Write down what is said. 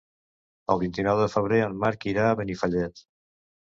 El vint-i-nou de febrer en Marc irà a Benifallet.